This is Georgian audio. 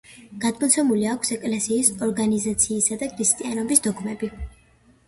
გადმოცემული აქვს ეკლესიის ორგანიზაციისა და ქრისტიანობის დოგმები.